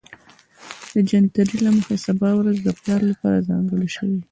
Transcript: د جنتري له مخې سبا ورځ د پلار لپاره ځانګړې شوې